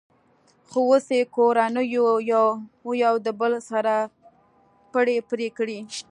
خو اوس یې کورنیو یو د بل سره پړی پرې کړی.